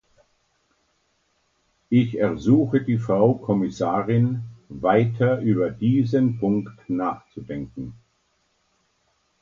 Ich ersuche die Frau Kommissarin, weiter über diesen Punkt nachzudenken.